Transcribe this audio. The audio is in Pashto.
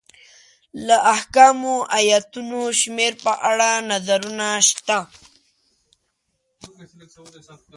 د احکامو ایتونو شمېر په اړه نظرونه شته.